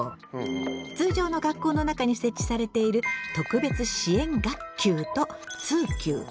通常の学校の中に設置されている「特別支援学級」と「通級」。